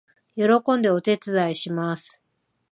喜んでお手伝いします